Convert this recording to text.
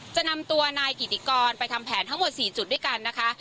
จะนำตัวนายกิติกรไปทำแผนทั้งหมด๔จุดด้วยกันนะคะ